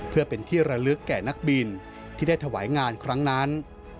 เพื่อเป็นที่ระลึกแก่นักบินที่ได้ถวายงานครั้งนั้น